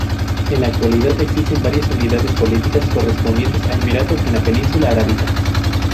En la actualidad, existen varias unidades políticas correspondientes a emiratos en la península arábiga.